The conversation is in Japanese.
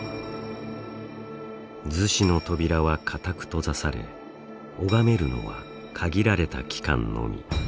厨子の扉は固く閉ざされ拝めるのは限られた期間のみ。